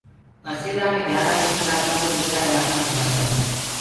ٻيسرآ مي گھيآرآ ايڪ الآڪآ دي دوسرآ هينٚ۔